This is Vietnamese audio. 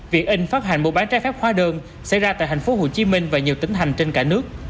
viện in phát hành mua bán trái phép hóa đơn xảy ra tại tp hcm và nhiều tỉnh hành trên cả nước